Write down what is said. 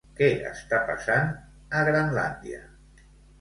Què està passant a Grenlàndia?